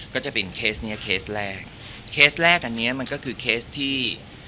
ก็จะเป็นเคสเนี้ยเคสแรกเคสแรกอันเนี้ยมันก็คือเคสที่